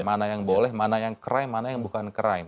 mana yang boleh mana yang crime mana yang bukan crime